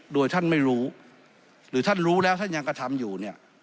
โดยท่านไม่รู้หรือท่านรู้แล้วท่านยังกระทำอยู่เนี่ย